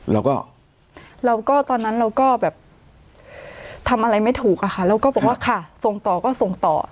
แล้วก็เราก็ตอนนั้นเราก็แบบทำอะไรไม่ถูกอะค่ะแล้วก็บอกว่าค่ะส่งต่อก็ส่งต่อ